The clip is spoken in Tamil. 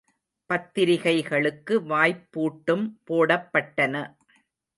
பத்திரிகைகளுக்கு வாய்ப்பூட்டும் போடப்பட்டடன.